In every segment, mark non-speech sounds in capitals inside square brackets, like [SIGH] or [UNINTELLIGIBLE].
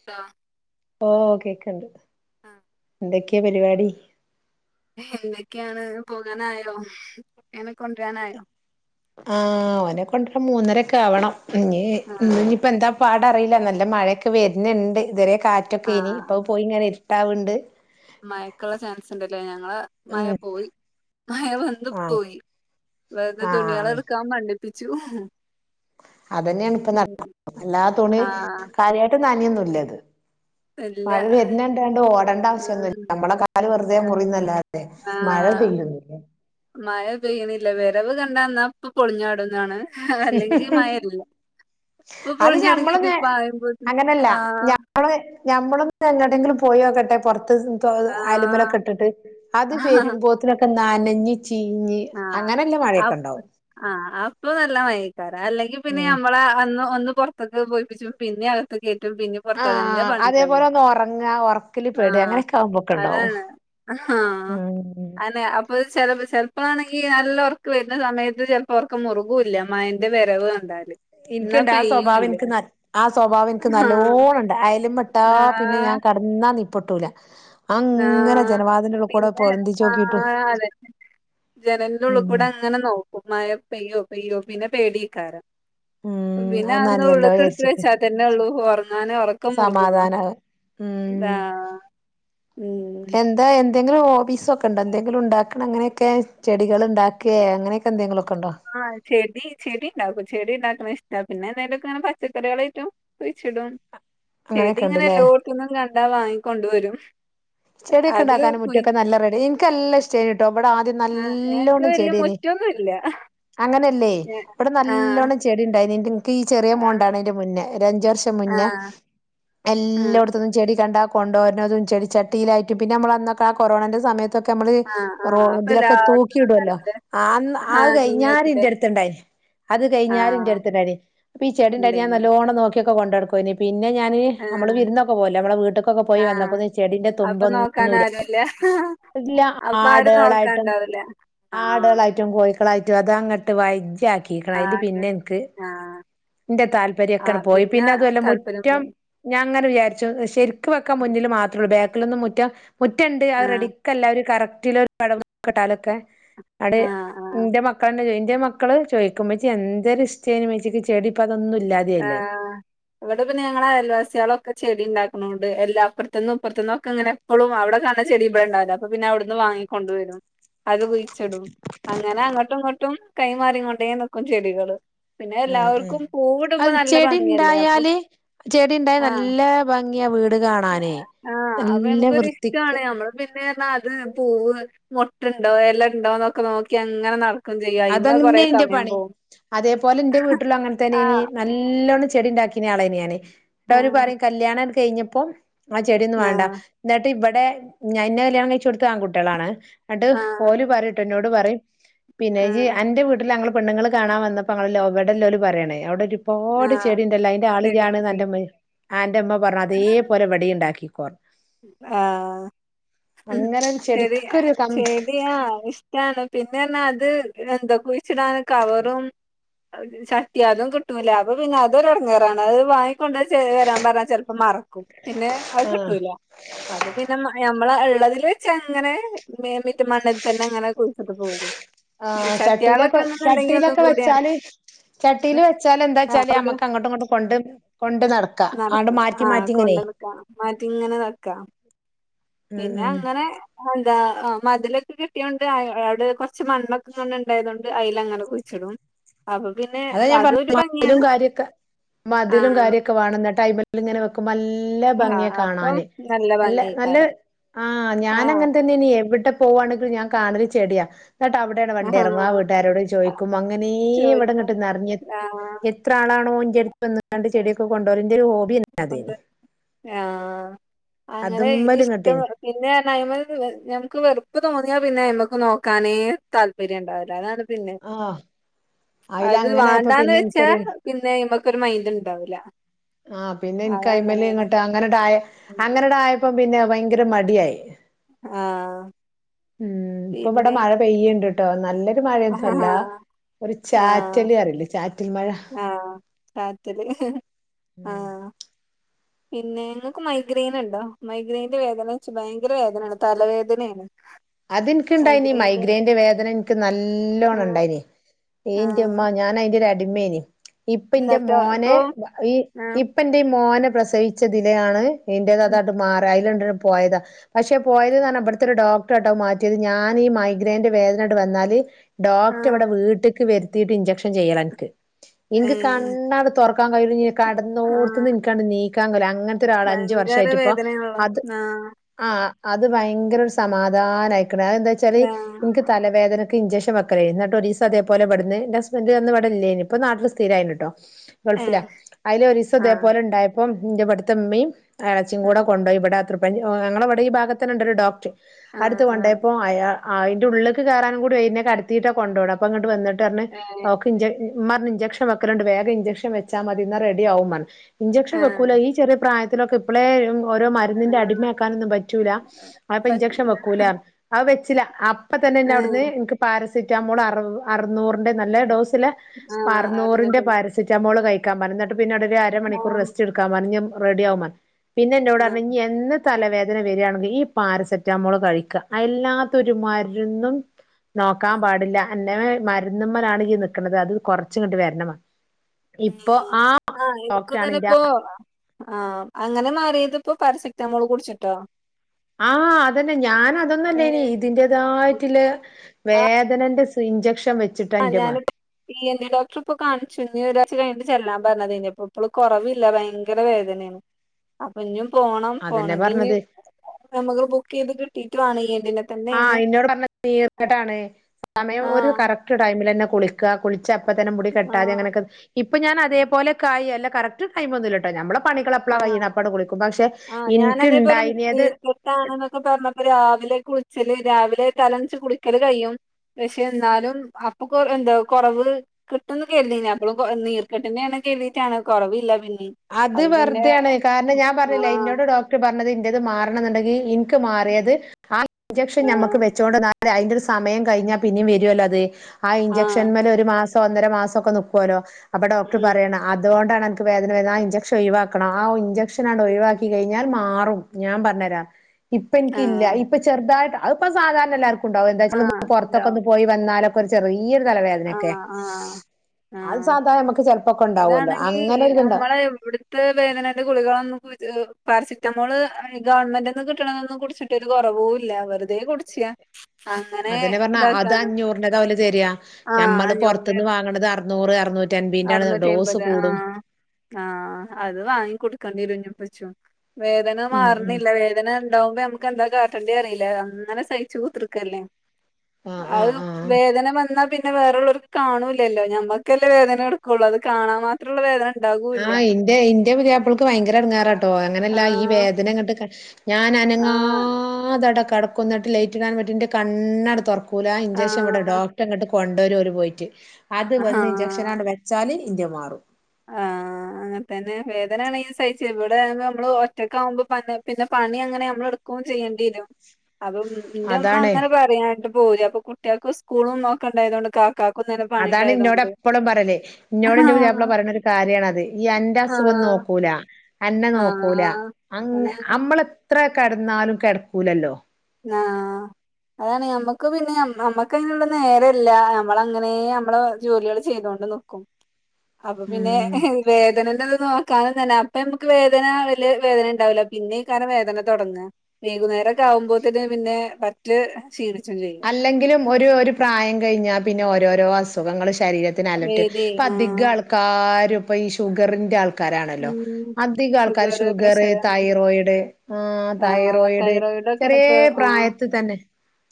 [UNINTELLIGIBLE] ഓ കേക്ണ്ട് ആഹ് എന്തക്കെയാ പരിപാടി എന്തൊക്കെയാണ് പോകാനായോ [UNINTELLIGIBLE] കൊണ്ടുവരാനായോ ആഹ് ഓനെ കൊണ്ടരാൻ മൂന്നരൊക്കെ ആവണം ഇഞ് ആഹ് ഇന്ന് ഇപ്പ എന്താ പാടറിയില്ല നല്ല മഴയൊക്കെ വരുന്നുണ്ട് ഇതുവരെ കാറ്റൊക്കെ ഇനി ഇപ്പ പോയി ഇങ്ങനെ ട്ടാവ് ണ്ട് മയക്കുള്ള ചാൻസ് ണ്ടല്ലേ ഞങ്ങളെ മയ ഉം പോയി മയ വന്ന് ആഹ് പോയി വെറുതെ ആഹ് തുണികളെടുക്കാൻ മണ്ടിപ്പിച്ചു അതന്നെയാണ് ഇപ്പ നടക്ക എല്ലാ തുണി ആഹ് കാര്യയിട്ട് നന യൊന്നുല്ലിത് ഇല്ല മഴ വര്ന്നണ്ടാണ്ട് ഓടേണ്ട ആവശ്യോന്നുല്ല ഉം നമ്മളെ കാല് വെറുതെ മുറിയുന്നല്ലാതെ മഴ ആഹ് പെയ്യുന്നുല്ല മഴ പെയ്യണില്ല വരവ് കണ്ടന്നാ ഇപ്പൊ പൊളിഞ്ഞാടുന്നാണ് അല്ലെങ്കി മഴല്ല ഇപ്പൊ അത് പൊളിഞ്ഞടങ്ങി ഞമ്മളൊന്ന് [UNINTELLIGIBLE] ആഹ് നമ്മള് ഞമ്മളന്ന് പിന്ന എങ്ങാട്ടെങ്കിലും പോയോക്കട്ടെ പൊറത്ത് അലമലൊക്കെ ഇട്ടിട്ട് അത് ആഹ് വരുമ്പോത്തിനൊക്കെ നനഞ്ഞി ചീഞ്ഞു ആഹ് അങ്ങനെല്ല ആ മഴേക്കെണ്ടാവും ആഹ് അപ്പ നല്ല മയക്കാരം അല്ലെങ്കിൽ പിന്നെ ഉം നമ്മള അന്ന് ഒന്ന് പൊറ തക്കെ പോയിപ്പിച്ച് പിന്നെ അകത്ത് കേറ്റും പിന്നെ പൊറത്തതന്നേ ആഹ് അതേപോലെ പണിണ്ടാവും ഒന്ന് ഒറങ്ങാ ഒറക്കില് പെടാ ആഹ് അങ്ങനെയൊക്കെ ആവുമ്പോക്കെ ഉണ്ടാവും അതാണ് ആഹ് ഉം അനെ അപ്പ ചെലപ്പോ ചെ ഇപ്പോഴാണെങ്കിൽ നല്ല ഒറക്ക് വരുന്ന സമയത്ത് ചെലപ്പോ ഒറക്കം മുറുകൂല്ല മയേന്റെ വരവ് കണ്ടാല് എന്നാ എനിക്കുണ്ട് ആ സ്വഭാവം, പെയ്യൂല്ല എനിക്ക്, ന, ആ സ്വഭാവം എനിക്ക് ആഹ് നല്ലോണം, ഒണ്ട് അയൽ - [UNINTELLIGIBLE] പിന്നെ ഞാൻ ആഹ് കടന്നാ നീപ്പൊട്ടൂല. അങ്ങന ആഹ് ജനവാതിന്റവിടക്കൂടാ- പിന്നെ പൊന്തിച് നോക്കിട്ടു. ജനലിന്റ ഉള്ളി കൂടെ അങ്ങനെ- നോക്കും മയ പെയ്യോ, പെയ്യോ, പിന്നെ പേടി ആക്കാരം. ഉം.. പിന്നെ അത് നനയല്ലോ ഉള്ളീക്ക് എടുത്ത്- വിചാരിച്ചിട്ട് വെച്ചാ തന്നെ ഉള്ളൂ ഒറങ്ങാനേ- ഒറക്കം മുറുകുള്ളു. സമാധാനാവ ഉം ആഹാ.. എന്താ, എന്തെങ്കിലും ഹോബീസ് ഒക്കെ ഉണ്ടോ? എന്തെങ്കിലും ഉണ്ടാക്കി- ആക്കണം, അങ്ങനെക്കെ ചെടികൾ ഒണ്ടാക്കെ, അങ്ങനെക്കെ എന്തെങ്കിലുക്കെ ഉണ്ടോ? ആഹ് ചെടി, ചെടി ഉണ്ടാക്കും. ചെടി ഉണ്ടാക്കുന്ന ഇഷ്ട, പിന്നെ എന്തെങ്കിലൊക്കെ ഇങ്ങനെ- പച്ചക്കറികളായിട്ടും. കുഴിച്ചിടും ചെടി അങ്ങനെയൊക്കെ ഇങ്ങനെ- ഉണ്ടല്ലേ എല്ലോടത്തന്നും കണ്ടാ- വാങ്ങിക്കൊണ്ട വരും. ചെടിയൊക്കെണ്ടാക്കാന് മുറ്റൊക്കെ നല്ല റെഡ എനിക്ക നല്ലഷ്ട്ടേന് ട്ടോ ഇവിടെ ആദ്യം. ആ ഞങ്ങക്ക് നല്ലോണം വല്യ ചെടീനെയ്‌ൻ. മുറ്റൊന്നുല്ല അങ്ങനെയല്ലേ ഇവിടെ ആ ആ നല്ലോണം ചെടി ഉണ്ടായിന് ഇൻക്ക് ഈ ചെറിയ ആ മോൻ ണ്ടാവണെയ്ന്റെ- മുന്നേ ഒരഞ്ചു വർഷം. ആ മുന്നേ ആ എല്ലോട്തുന്നും ചെടി കണ്ടാ, കൊണ്ടൊരുന്നതും ചെടി ചട്ടി- യിലായിട്ടും പിന്ന നമ്മളന്ന് ആ, കൊറോണന്റെ സമയത്ത്. ക്കെ നമ്മള് ആ റോ, അപ്പൊ ഇതിലൊക്കെ തൂക്കി എല്ലാട്ത്തും ഇടുല്ലോ? നല്ലത് ആ, ആ- കഴിഞ്ഞാൽ അടുത്തുണ്ടായിരുന്നു. അത് ആ കഴിഞ്ഞാലും ന്റട്ത്- ണ്ടയിരുന്നു ഇപ്പോ ഈ ചെടിണ്ടായിട്ട് ഇണ്ടേയ്ന്നു നല്ലോണം നോക്കി. ഒക്കെ കൊണ്ടടുക്കുവയ്ന് പിന്നെ ഞാന് ആ നമ്മള് വിരുന്നൊക്കെ പോവു- ലെ, നമ്മെ വീട്ക്ക് ക്കൊക്കെ പോയി ആ വന്നപ്പോ ചെടിന്റെ- അപ്പൊ നോക്കാൻ തുമ്പൊന്നുല്ല ആരുല്ല അപ്പൊ ആരും ആടുകളായിട്ടും നോക്കാണ്ടാവൂല ആ ആട- കോഴിക്കളായിട്ടും അതങ്ങട്ട് വയ് ക്കാക്കി. അതില് പിന്നെ എനിക്ക് ആ ന്റെ- ആ താല്പര്യക്കെ പോയി പിന്നെ അതും അല്ല താല്പര്യം മുറ്റം. പോവും ഞാൻ അങ്ങനെ വിചാരിച്ചു, ശരിക്ക് വെക്കാൻ മുന്നിൽ മാത്രേ ഉള്ളൂ. ബാക്കിലൊന്നും മുറ്റ- മുറ്റണ്ട് അത് ആ റെഡിക്കല്ല. ഒരു കറക്റ്റില ഒരു പടവ കിട്ടാലൊക്കെ. അവിടെ ആഹ് ആഹ് എന്റെ മക്കളന്നെ ഇന്റെ- മക്കള് ചോയ്ക്കും മ്മച്ചി- എന്തൊരിഷ്ട്ടെയ്ന്ന് മ്മച്ചിക്ക് ചെടി. ഇപ്പ അതൊന്നും ഇല്ലാതെയായില്ലേ ആഹ്... ന്നട്ട് പിന്നെ അയൽവാസികളൊക്കെ ചെടി- ണ്ടാക്കനോണ്ട് എല്ലാപ്പറത്തുന്നു, പ്പറത്തുന്നൊക്കെ ഇങ്ങനെ- ഉളും അവിടെ കാണ്ണെ ചെടി- ഇണ്ടാവില്ല അപ്പ പിന്നെ അവിടുന്ന്- വാങ്ങിക്കൊണ്ട് വരും. അത് കുഴിച്ചിടും അങ്ങനെ- അങ്ങോട്ടും, ഇങ്ങോട്ടും കൈമാറി- കൊണ്ടേ നിക്കും ചെടികള്. പിന്നെ ഉം ഉം എല്ലാവർക്കും പൂവ്- അത് ചെടിണ്ടായാല്, ചെടി- ഉണ്ടായാൽ ആഹ് നല്ല ഭംഗിയാ വീട് കാണാന്. ആഹ് അപ്പൊ നല്ല നമുക്കൊരു ഇഷ്ടാണ് വൃത്തിക്ക്- നമ്മള് പിന്നെനറഞ്ഞ അത് പൂവ്- മൊട്ടുണ്ടോ എല ഉണ്ടോന്നൊക്കെ- നോക്കി അങ്ങനെ നടക്കും. ചെയ്യും അയിമ്മെ കൊറേ സമയം അതന്നെന്റെപണി, പോവും അതേപോലെ ന്റെ വീട്ടിലും അങ്ങനെ തന്നെ. ആഹ് നല്ലോണം ചെടി ഉണ്ടാക്കിന- ആളെയന്. ഞാന് ന്നട്ട് അവര്- ആഹ് പറയും കല്യാണം കഴിഞ്ഞപ്പോ- ആ ചെടിയൊന്നും ആഹ് വേണ്ട. എന്നിട്ട് ഇവിടെ ഞ, ഇന്ന കല്യാണം കഴിചോട്ത് ആൺകുട്ടികളാണ്. ട്ട് ആഹ് ഓല് പറയുട്ട ന്നോട് പറയും- പിന്നെ ആഹ് അന്റെ വീട്ടിൽ ഞങ്ങള്- പെണ്ണുങ്ങൾ കാണാ വന്നപ്പോ- അ എവിടെല്ലോും പറയണേ അവിടെ ഒരു- ഒരുപാട് ആഹ് ചെടി ഉണ്ടല്ലോ അതിന്റെ ആളു ശരി ഇയ്യാണ്ന്ന് ശരി അന്റമ്മ പറഞ്ഞ്. അതേപോലെ ഇവടിം ഉണ്ടാക്കിക്കോ. ആഹ് അങ്ങനെ ഒരു ശരിയാ, ചെടിക്കൊരു കം ശരിയാ. ക്കാണ് പിന്നെ പറഞ്ഞ അത് എന്ത, കുഴിച്ചിടാന് കവറും, ചട്ടിയ അതും കിട്ടൂല അപ്പോ പിന്നെ അതൊരു ഇടങ്ങേറാണ് അത് വാ- കൊണ്ട് വരാൻ പറഞ്ഞാ ചെലപ്പോ മറക്കും, പിന്നെ അത് ആഹ് കിട്ടൂല. അപ്പോ പിന്നെ നമ്മള ള്ളതിൽ വെച്ച് അങ്ങനെ മറ്റ, മണ്ണിൽ തന്നെ അങ്ങനെ കുഴിച്ചട്ട് പോകും. ആഹാ ചട്ടിയാളൊക്കെ ചട്ടിയിലൊക്കെ, ഉണ്ടെന്നുണ്ടെങ്കി ഒന്നും ചട്ടിയിലൊക്കെ കൂടിയാണ് വെച്ചാല്. ചട്ടില് വെച്ചാലെന്താച്ചാല് ഞമ്മക്ക് അങ്ങോട്ടും ഇങ്ങോട്ടും കൊണ്ട് കൊണ്ട് നടക്കാം അങ്ങ്ട്ട് മാറ്റി മാറ്റി ഇങ്ങനെ മാറ്റിങ്ങനെ വെക്കാം ഉം ഉം പിന്നങ്ങനെ അതെന്താ ആഹ് മതിലൊക്കെ കെട്ടിയോണ്ട് അയ് അവിടെ കൊറച്ച് മണ്ണൊക്കെങ്ങനെ ഇണ്ടായത് കൊണ്ട് അയ്‌ലങ്ങനെ കുഴിച്ചിടും അപ്പ പിന്നെ അതാ ഞാൻ പറഞ്ഞെ അതൊരു മതിലും ഭംഗിയാണ് കാര്യൊക്കെ മതിലും ആഹ് കാര്യൊ ക്കെ വേണം ന്നട്ട് അയ്മേല്ങ്ങനെ വെക്കുമ്പോ നല്ല ആഹ് ഭംഗിയാ അപ്പം കാണാന് നല്ല നല്ല ഭംഗിയേക്കാരം ആഹ് ആഹ് ഞാനങ്ങനെ തന്നെ ആണ് എവിടെ പോവാണെങ്കിലും ഞാൻ കാണല് ചെടിയാ എന്നട്ട് അവിടെയാണ് വണ്ടി ആഹ് എറങ്ങും ആ വീട്ടുകാരോടും ചോയ്ക്കും അങ്ങനേ ചോയിക്കും ഇവിടെങ്ങട്ട് നെർഞ്ഞ് ആഹ് ത്രാളാണോ ഇന്റെടുത്ത് വന്ന്ങ്ങാണ്ട് ചെടിയക്കെ കൊണ്ടോവല് എന്റൊരു ഹോബിയാണ് കൊണ്ട് ആഹ് അങ്ങനെ അതുമ്മല് ഇതിഷ്ടം ഇങ്ങട്ടേനി പിന്നെ പറഞ്ഞാ ഞമ്മള് വെ ഞമ്ക്ക് വെറുപ്പ് തോന്നിയാ പിന്നെ അയ്മക്ക് നോക്കാനേ താല്പര്യംണ്ടാവില്ല അതാണ് പിന്നെ ആഹ് അയില് അത് അങ്ങനായപ്പോ വേണ്ടാന്ന് പിന്നെ എനിക്കൊരു വെച്ചാൽ പിന്നെ അയ്മക്ക് ഒരു മൈൻഡ്ണ്ടാവൂല ആഹ് പിന്നെ എനിക്ക് അയ്മെല്ങ്ങട്ട് അങ്ങനെണ്ടായ് അങ്ങനെണ്ടായപ്പം പിന്നെ ഭയങ്കര മടിയായ് ആഹ് ഉം ഇപ്പവ്ടെ പിന്നെ മഴ പെയ്യൺണ്ട് ട്ടോ നല്ലൊരു ആഹ് മഴയൊന്നുംല്ലാ ഒരു ആഹ് ചാറ്റല്റയില്ലേ ചാറ്റൽ മഴ രാത്രി ആഹ് ഉ പിന്നേ ങ്ങക്ക് മൈഗ്രൈയ്നൊണ്ടോ മൈഗ്രേന്റെ വേദന വെച്ച ഭയങ്കര വേദനാണ് തലവേദനയാണ് അതെനിക്ക്ണ്ടായിനി മൈഗ്രെയിന്റെ മൈഗ്രെന്റെ വേദനന് ക്ക് ആ നല്ലോണം ഉണ്ടായിനി ആ ഏയ്ന്റുമ്മ ഞാനയിന്റൊരടിമയായ് ഇപ്പിന്റെ എന്നിട്ടോ മോനെ ഇപ്പൊ ഈ ആ ഇപ്പ് ഇപ്പെന്റെ ഈ മോനെ പ്രസവിച്ചതില് ആണ് ഇന്റേത് ഉം, അതങ്ങ്ട്ട് മാറാ അയ്ലണ്ട് പോയതാ പക്ഷെ പോയത് ന്ന് ഇവിട്ത്തൊരു ഡോ ക്ടറാട്ടൊ മാറ്റിയത് ഞാനീ മൈഗ്രൈൻന്റെ വേദനായ്ട്ട് വന്നാല് ആ ഡോക്ടറെവിടെ വീട്ട്ക്ക് വെര് ത്തീട്ട് ഇഞ്ചെക്ഷൻ ചെയ്യലാ എന്ക്ക് ഏ ഇൻക്ക് കണ്ണാങ്ങ്ട് തൊറക്കാൻ കഴിയൂല്ല ഞാ ആ കടന്നോട്ത്തുന്ന് എനിക്കങ്ങ്ട് നീക്കാൻ കഴിയ്ല്ലാ അങ്ങനത്തെ ഒരാളാ അഞ്ചു വർഷം തേറ്റിപ്പൊ കളാ ആഹ് ആഹ് അത് ഭയങ്കരൊര് സമാധാനായ്ക്കണ് അതെന്താച്ചാല് എൻക്ക് തലവേദന ക്ക് ഇൻജെക്ഷൻ വെക്കലായ് എന്നിട്ടൊരീസം അതേപോലെവ്ട്ന്ന് ഇന്റെ ഹസ്ബന്റ് അന്ന്വ്ടെല്ലേനു ഇപ്പം നാട്ടില് സ്ഥരായിട്ട്ണ്ട്ട്ടോ ആ ഏ ഗൾഫിലാ അതിലൊരീസം ആ ഇതേപോല്ണ്ടായപ്പം ഇന്റെവ്ട്ത്ത്മ്മയും ആച്ചിം കൂടെ ഉം, കൊണ്ട് പോയി ഇവിടെ ത്രിപ്പ് പ്പെനി ഓഹ് ഞങ്ങള് ഇവ്ടീ ഭാഗത്തന്നെണ്ടൊരു ഡോക്ടറ് ആ അടുത്ത് ആ കൊണ്ടോയപ്പോ അയാ ആഹ് അയ്ന്റുള്ള്ലേക്ക് കേറാനും കൂടായ് എന്നെ കെടത്തീട്ടാ കൊണ്ടോണെ അപ്പൊങ്ങട്ട് വന്നിട്ട് പറഞ്ഞ് ഏ ഓക്ക് ഇൻജെ ഇമ്മാറഞ്ഞ് ഇൻജെക്ഷൻ വെക്കല്ണ്ട് വേഗം ഇൻജെക്ഷൻ വച്ചാ മതി എന്നാ റെഡിയാവുംമ്മാർഞ്ഞ് ആ ഇൻജെക്ഷൻ വെക്കൂല ഈ ചെറിയ പ്രായ തിനൊക്കെ ഇപ്പളേ ഓരോ ആ മരുന്നിന്റെ അടിമയാക്കാനൊന്നും പറ്റൂല്ല അത് ഇപ്പം ഇൻജെക്ഷൻ പറ്റൂല വെക്ക് ആവെച്ചില്ലാ അപ്പ തന്നെ എന്നെ ആ അവ്ടുന്ന് എൻക്ക് പാരസിറ്റാമോൾ അർ അർന്നൂറിന്റെ നല്ല ഡോസില് ആ അർന്നൂറിന്റെ അറിഞ്ഞിട്ട് പാര സെറ്റാമോള് കഴിക്കാൻ പറഞ്ഞ് എന്നിട്ട് പിന്നൊടനെ ആ അരമണിക്കൂറ് റെസ്റ്റെടുക്കാൻ പറഞ്ഞ് ഞ്ഞം റെഡിയാവും പർഞ്ഞു പിന്നെ എന്നോട് ആ പറഞ്ഞ് ഇനിയെന്ന് തലവേദന വര്യാണെങ്കിലും ഈ പാരസെറ്റാമോള് കഴി ക്കാം അല്ലാത്തൊരു മരുന്നും ആ നോക്കാൻ പാടില്ലാ എന്റെമേ മര്ന്ന്മ്മലാണ് ഈ നിക്ക്ണത് അത് കൊറച്ച് കണ്ട് വേദനമാ ഇപ്പൊ ആഹ് ഡോക്ടറാണ്ന്റെ ആഹ് അങ്ങനെ മാറിയത്പ്പോ പാരസെറ്റമോള് കുടിച്ചിട്ടോ ആഹ് അതന്നെ ഞാനതൊന്ന്വല്ലേനീ ഇതിന്റേതായിട്ട്ല്ല വേദനന്റെ ഇഞ്ചക്ഷൻ വെ ആ ഞാനിപ്പോ ഈ എൻ ടി ഡോക്ടർ ഇപ്പൊ കാണിച്ചു ഇീ ഒരാ്ച കഴിഞ്ഞട്ട് ചെല്ലാൻ പറഞ്ഞതേനി എന്നിട്ട് ഇപ്പോൾ കുറവില്ല ഭയങ്കര വേദന ഉ അപ്പൊ ഇന്ഞ്ഞും പോണം അതന്നെ പോണമെങ്കിൽ ഇ പറഞ്ഞത് നമുക്ക് ബുക്ക് ചെയ്ത് കിട്ടീട്ട് വേണം ഇ എ ന് ടീ ബാറ്റ് ആ എന്നോട് പറഞ്ഞ നീറ് കേട്ടാണ് സമയം ഒരു ആഹ് കറക്ട് ടൈമിൽന്നെ കുളിക്ക കുളിക കുളിച്ച അപ്പ തന്നെ മുടി കെട്ടാതെ ആഹ് അങ്ങനൊക്കെ ഇപ്പൊ ഞാൻ അതേപോലെ കായി അല്ല കറക്റ്റ് ടൈം ഒന്നും ഇല്ല ട്ടോ ഞമ്മള പണികൾ എപ്പാ ആഹ് കൈ്യണപ്പട കുളിക്കും പക്ഷെ എനിക്ക് ഉണ്ടായിനത് ഇതാണ് നിന്നൊക്കെ പറഞ്ഞപ്പ രാവിലെ കുളിച്ചല് രാവിലെ തലന്ച്ച് കുളിക്കല് കഴിയും പക്ഷെ എന്നാലും അപ്പൊ കൊ എന്താ കുറവ് കിട്ടന്ന് കതി അപ്പളും നീർ കെട്ടുന്ന കേതിട്ടാണ് കുറവില്ല പിന്നെ അത് വെറുതെയാണ് കാരണം ഞാൻ പറഞ്ഞില്ല ആഹ് ഇന്നോട് ഡോക്ടർ പറഞ്ഞത് ഇൻ്റെ ത് മാറണം എന്നുണ്ടെങ്കിൽ ഇന് ക്ക് മാറിയത് ആ ഇഞ്ചക്ഷൻ നമ്മുക്ക് ആഹ് വെച്ചോ അത അതിന്റെ ഒരു സമയം കഴിഞ്ഞാൽ പിന്നെും വരുമല്ലോ അത് ആ ഇഞ്ചെക്ഷൻ ആഹ് മൽ ഒരു മാസ ഒന്നര മാസം ഒക്കെ നിക്കുവല്ലോ അപ്പൊ ഡോക്ടർ ഉം പറയ അതൊണ്ടാണ് അനക്ക് വേദന അതിന് ആ ഇഞ്ചെക്ഷൻ ഒഴിവാക്കണം ആ ഇഞ്ചെക്ഷനണ്ട് ഒഴിവാക്കി കഴിഞാ ൽ മാറും ഞാൻ പറഞ്ഞതരാം ഇപ്പൊ ഇന്ക്ക് ഇല്ല ആഹ് ഇപ്പൊ ചെറുതായിട്ട് അതിപ്പൊ സാധാരണ എല്ലാർക്കുംണ്ടാവും ആഹ് എന്തച്ചാ പുറത്തൊക്കെ ഇണ്ടാവും ഒന്ന് പോയി വന്നാലൊക്കെ ഒരു ചെറിയ ഒരു തലവേദന നോ കേ ആഹ് ആഹ് അത് ആഹ് സാധാരണ നമുക്ക് ചെിലപ്പോക്കെ ഉണ്ടാവുമല്ലോ ഇതാണെങ്കി അങ്ങനെ ഒരു ഇത് ഉണ്ടാ നമ്മളെ എവിടുത്തെ വേദനന്റെ ഗുളികളൊന്നും പാരസിറ്റമോൾ ഗവൺമെന്റ്ന്ന് കിട്ടണൊന്നും കുടിച്ചിട്ടൊരു കുറവവും ഇല്ല വെറുതെ കുടിച്ചിയാ അങ്ങനെ ഇതാക്കാണ് എന്നതാ തരാ ആഹ് ഞമ്മള് പൊറത്ത്ന്ന് അഞ്ഞൂറിന്റെണ് വാങ്ങ്ണത് അറ്നൂറ് അർന്നൂറ്റി അൻപീന്റാണ് അറുന്നൂറ്റി ഡോസ് അമ്പത് കൂടും ആഹ് ആഹ് അത് വാങ്ങി കുടിക്കേണ്ടി വരും ഇഞ്ഞ്പ്പം ച്ചും വേദന ഉം ഉം മാറ്ണില്ല വേദന ഇണ്ടാവുമ്പോ നമുക്ക് എന്താ കാട്ടേണ്ടി അറീല്ല അങ്ങനെ സഹിച്ച് കുത്തിർക്കല്ലേ ആഹ് അത് ആഹ് ആഹ് വേദന വന്നാ പിന്നെ വേറെള്ളോർക്ക് കാണൂല്ലല്ലോ ഞമ്മക്കല്ലേ വേദന എടുക്കുള്ളൂ അത് കാണാൻ മാ ത്രള്ള വേദന ഇണ്ടാവും ആഹ് ഇൻ്റെ ഇന്റെ പുതിയാപ്പൾക്ക് ഭയങ്കര എടങ്ങാറാട്ടോ അങ്ങനെയല്ല ഈ ആഹ് വേദന ഇങ്ങട്ട് ക ഞാൻ ആഹ് അനങ്ങാതട കട്ക്കും ന്ന്ട്ട് ലൈറ്റ് ഇടാൻ പറ്റു കണ്ണട് തൊറ ക്കൂല ഇഞ്ചെക്ഷൻ ആഹ് ഇവിടെ ഡോക്ടറെങ്ങട്ട് കൊണ്ടോരു ഓല് പോയിട്ട് അത് ആഹാ വന്ന് ഇഞ്ചക്ഷ ഇഞ്ചക്ഷനാണ്ട് വെച്ചാല് ഇൻ്റെ മാറും ആഹ് അങ്ങനെ തന്നെ വേദനയാണെങ്കി സഹിച്ചേ ഇവിടെ അല്ല നമ്മള് ഒറ്റക്കാവുമ്പോ പിന്നെ പണി അങ്ങനെ നമ്മളെട് ക്കും ചെയ്യെണ്ടി വരും അപ്പം ഇന്റെ ഇമ്മ അതാണേ അങ്ങനെ പറയും ഞാ ഏട്ടും പോവൂല അപ്പൊ കുട്ട്യേൾക്ക് സ്കൂളും ഒക്കെണ്ടായതോണ്ട് കാക്കാ അതാണ് ഇന്നോട് എപ്പളു പറയല് ഇന്നോട് ഇന്റെ ആഹ് പുതിയാപ്പള പറിണ ഒര് കാര്യാണത് ഇയ്യ് അന്റെ അസുഖം ആഹ് നോക്കൂല എന്നെ നോക്കൂല ആഹ് അങ് അതാണ് നമ്മള് എത്ര കെടന്നാലും കെടക്കൂലല്ലോ ആഹ് അതാണ് ഞമ്മക്ക് പിന്നെ ഞമ്മക്ക് അതിന്ള്ള നേരല്ല അമ്മള് അങ്ങനെ അമ്മളെ ജോലികൾ ചെയ്തോണ്ട് നി ക്കും അപ്പ പിന്നെ ഉം വേദനന്റെ നോക്കാനും തന്നെ അപ്പ ഞമ്മക്ക് വേദന വല്യ വേദന ഇണ്ടാവൂല പിന്നെ എയ്കാരം വേദന തൊടങ്ങ വൈകുന്നേരൊക്കെ ആകുമ്പോത്തിന് പിന്നെ പറ്റെ ക്ഷീണിച്ചും ചെയ്യും അല്ലെങ്കിലും ഒരു ഒരൂ പ്രായം കഴിഞ്ഞാൽ പിന്നെ ഓരോരോ അസുഖങ്ങള് ശരീര ത്തിനലട്ട് വേദി ഇപ്പ അധിക ആഹ് ആൾക്കാരും ഇപ്പ ഈ ഷുഗറിന്റെ ആൾ ക്കാരാണല്ലോ ഉം അധികം ആൾക്കാരും ഷുഗർ തൈറോയിഡ് ആ ആഹ് തൈറോയിഡ് ഒക്കെയാണ് ചെറിയേ ഇപ്പൊ ആഹ് പ്രായത്ത് തന്നെ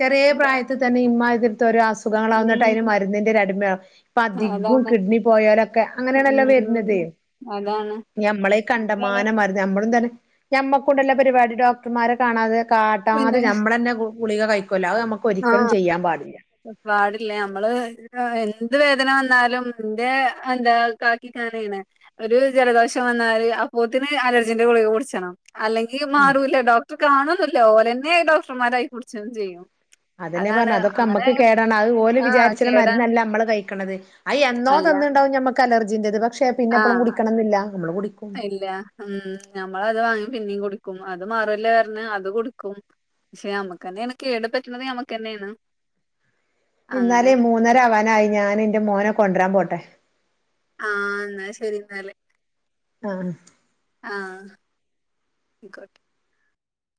ചെറിയേ ത പ്രായത്ത് തന്നെ ഇമ്മാതിര്ത്തെ ഓരോ അസുഖങ്ങളാവും ന്ന്ട്ട് അയിന് ഉം മരുന്നിന്റെ അടിമാവും പ്പതികും അതാണ് കിഡ്നി പോയാലൊക്കെ അങ്ങനെയാണല്ലോ ഉം വര്ന്നത് അതാണ് ഞമ്മളെ ഈ കണ്ടമാനം മരുന്ന് നമ്മളും തന്നെ ഞമ്മക്കുണ്ടല്ലൊ പരിപാടി ഡോക്ടർമാരെ കാണാതെ കാട്ടാതെ പിന്നെ ഞമ്മളെന്നെ ഗുളിക കഴിക്കലാലോ അത് നമ്മക്ക് ആഹ് ഒരിക്കലും ചെയ്യാൻ പാടില്ല പാടില്ല നമ്മള് എന്ത് വേദന വന്നാലും ഇന്റെ എന്താ കാക്കിക്കെ അങ്ങനെയ്ണെ ഒര് ജലദോഷം വന്നാല് അപ്പോത്തിന് അലർജിന്റെ ഗുളിക കുടിച്ചണം അല്ലെ ഈ മാറൂല ഡോക്ടർ കാണൊന്നില്ല ഓവെന്നെ ഡോക്ടർമാരായി കുടിച്ചും ചെയ്യും അതെന്നെ പറഞ്ഞെ അതാണ് അതൊക്കെ അങ്ങനെ അമ്മക്ക് കേടാണ് അത് ഓല് ആഹ് വിചാരിച്ച്ണ കേടാണ് മരുന്നല്ല അമ്മള് കഴിക്ക്ണത് അത് എന്നോ അല്ല തന്ന്ണ്ടാവും ഞമ്മക്ക് അലർജിൻ്റേത് പക്ഷെ പിന്നെപ്പമും ആഹ് കുടിക്കണം ന്നില്ല നമ്മള് കുടിക്കും ഇല്ല ഉം ഞമ്മൾ അത് വാങ്ങി പിന്നിം കുടിക്കും അത് മാറുല്ലൊ പർഞ്ഞ് അതും കുടിക്കും പക്ഷെ നമ്മക്കെന്നെയാണ് കേട് പറ്റ്ണത് നമ്മക്ക് തന്നെയാണ് ഇന്നാലേ മൂന്നര ആവാനായി ഞാൻ എന്റെ മോനെ കൊണ്ടുവരാൻ പോട്ടെ ആഹ് ന്നാ ശരി ന്നാല് ആഹ് ആഹ് അയ്ക്കോട്ടെ